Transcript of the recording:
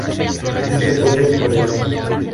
Sí se pueden regalar.